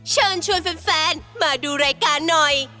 เชิญชวนแฟนมาดูรายการหน่อย